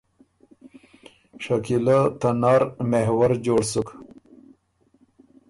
شکیلۀ ته نر محور جوړ سُک